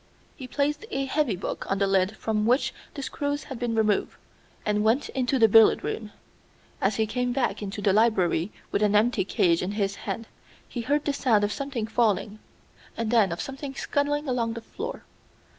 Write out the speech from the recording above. He placed a heavy book on the lid from which the screws had been removed, and went into the billiard room. As he came back into the library with an empty cage in his hand he heard the sound of something falling, and then of something scuttling along the floor.